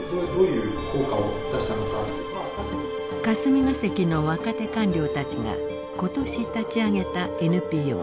霞が関の若手官僚たちが今年立ち上げたＮＰＯ。